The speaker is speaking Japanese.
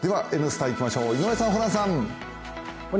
「Ｎスタ」いきましょう井上さん、ホランさん。